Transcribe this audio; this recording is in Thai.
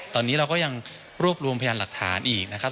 ตอนนี้เราก็ยังรวบรวมพยานหลักฐานอีกนะครับ